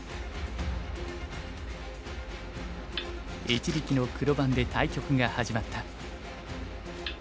一力の黒番で対局が始まった。